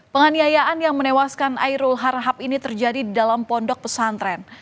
penganiayaan yang menewaskan airul harhab ini terjadi di dalam pondok pesantren